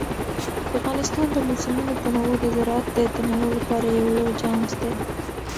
د افغانستان د موسمونو تنوع د زراعت د تنوع لپاره یو لوی چانس دی.